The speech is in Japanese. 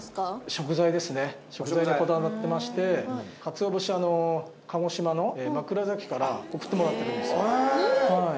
食材にこだわってまして鰹節はあの鹿児島の枕崎から送ってもらってるんですよ